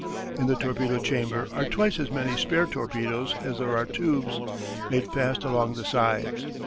In the torpedo chamber are twice as many spare torpedoes as there are tubes, made fast along the sides.